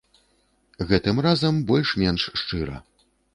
Гэтым разам больш-менш шчыра.